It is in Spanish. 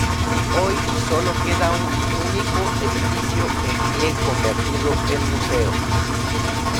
Hoy sólo queda un único edificio en pie convertido en museo.